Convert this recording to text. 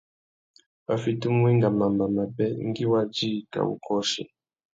Wá fitimú wenga mamba mabê ngüi wa djï kā wu kôchi.